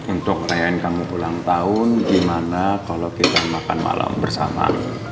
untuk merayakan kamu ulang tahun gimana kalau kita makan malam bersama